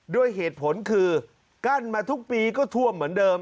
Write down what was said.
ด้วยเหตุผลคือกั้นมาทุกปีก็ท่วมเหมือนเดิม